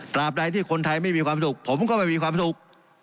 ใดที่คนไทยไม่มีความสุขผมก็ไม่มีความสุข